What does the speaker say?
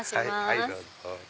はいどうぞ。